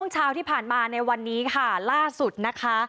เช้าที่ผ่านมาในวันนี้ค่ะล่าสุดนะคะ